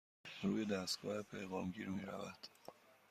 روی دستگاه پیغام گیر می رود.